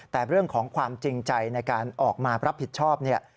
แต่เรื่องของความจริงใจในการออกมารับผิดชอบเนี่ย